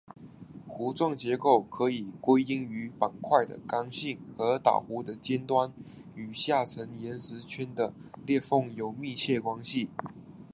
弧状结构可以归因于板块的刚性和岛弧的尖端与下沉岩石圈的裂缝有密切关系。